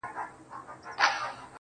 د سکريټو آخيري قطۍ ده پاته_